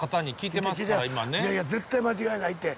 いやいや絶対間違いないって。